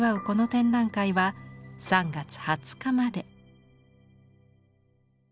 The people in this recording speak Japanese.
この展覧会は３月２０日まで。